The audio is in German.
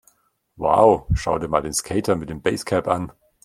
Wow, schau dir mal den Skater mit dem Basecap an!